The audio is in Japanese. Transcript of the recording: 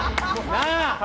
なあ！